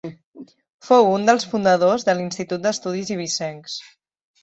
Fou un dels fundadors de l'Institut d'Estudis Eivissencs.